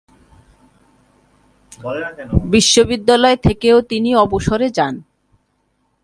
বিশ্ববিদ্যালয় থেকেও তিনি অবসরে যান।